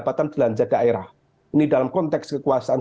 bapak presiden sudah terbicara tentang hal hal yang ada di dalam konteks kawasan